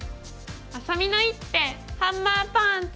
あさみの一手ハンマーパンチ！